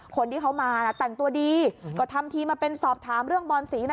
คนที่เขามานะแต่งตัวดีก็ทำทีมาเป็นสอบถามเรื่องบอลสีนะ